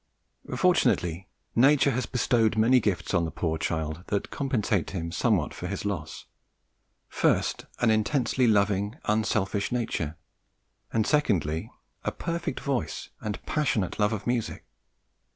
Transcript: "Fortunately nature has bestowed many gifts on the poor child that compensate him somewhat for his loss first, an intensely loving, unselfish nature; and secondly, a perfect voice and passionate love of music.